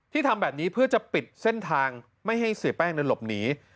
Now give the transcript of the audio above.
ทำแบบนี้เพื่อจะปิดเส้นทางไม่ให้เสียแป้งนั้นหลบหนี